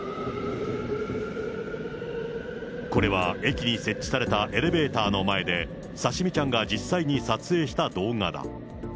これは駅に設置されたエレベーターの前で、さしみちゃんが実際に撮影した動画だ。